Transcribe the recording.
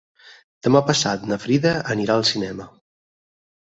Demà passat na Frida anirà al cinema.